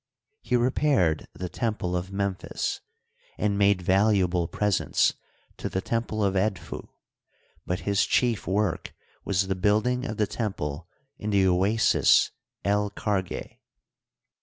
He repaired the temple of Memphis and made valuable pres ents to the temple of Edfu ; but his chief work was the building of the temple in the Oasis El Kargeh.